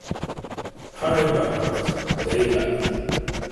Harry Bancroft, Dave lied.